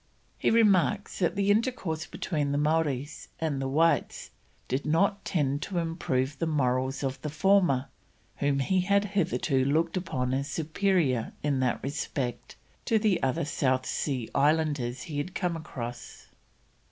He remarks that the intercourse between the Maoris and the whites did not tend to improve the morals of the former, whom he had hitherto looked upon as superior in that respect to the other South Sea Islanders he had come across.